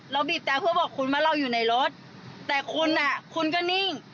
บีบแต่เพื่อบอกคุณว่าเราอยู่ในรถแต่คุณอ่ะคุณก็นิ่ง